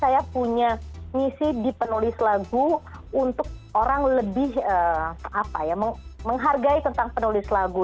saya the groove tetap ada saya tetap anggota the groove tapi saya punya misi di penulis lagu untuk orang lebih apa ya menghargai tentang penulis lagu